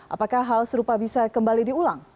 apakah hal serupa bisa kembali diulang